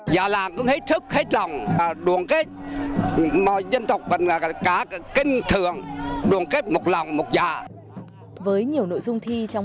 già làng cũng hết thức hết lòng đoàn kết mọi dân tộc vẫn là cả kinh thường đoàn kết một lòng một dạ